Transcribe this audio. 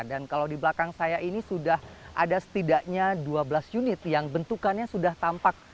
dan kalau di belakang saya ini sudah ada setidaknya dua belas unit yang bentukannya sudah tampak